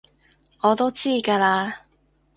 我都知㗎喇